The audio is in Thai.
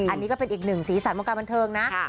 อันนี้ก็เป็นอีกหนึ่งสีสันวงการบันเทิงนะ